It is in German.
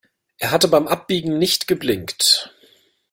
Er hatte beim Abbiegen nicht geblinkt.